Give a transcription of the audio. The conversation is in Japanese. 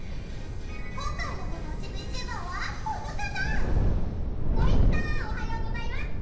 今回のご当地ＶＴｕｂｅｒはこの方！